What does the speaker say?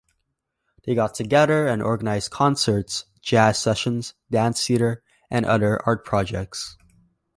They got together and organized concerts, jazz sessions, dance theater and other art projects.